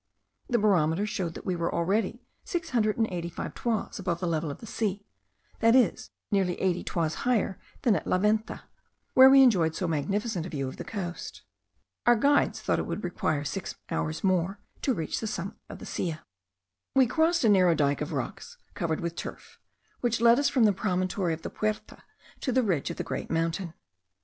The barometer showed that we were already six hundred and eighty five toises above the level of the sea, that is, nearly eighty toises higher than at the Venta, where we enjoyed so magnificent a view of the coast. Our guides thought that it would require six hours more to reach the summit of the Silla. We crossed a narrow dyke of rocks covered with turf; which led us from the promontory of the Puerta to the ridge of the great mountain.